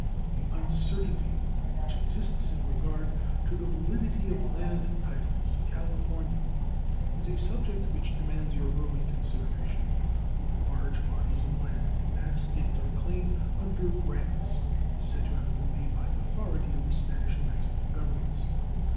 The uncertainty which exists in regard to the validity of land titles in California is a subject which demands your early consideration. Large bodies of land in that State are claimed under grants said to have been made by authority of the Spanish and Mexican Governments.